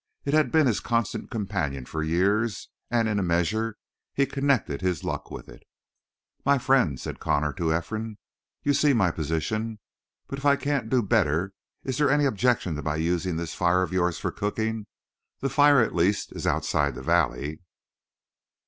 It had been his constant companion for years and in a measure he connected his luck with it. "My friend," said Connor to Ephraim, "you see my position? But if I can't do better is there any objection to my using this fire of yours for cooking? The fire, at least, is outside the valley."